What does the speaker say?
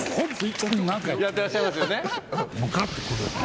やってらっしゃいますよね。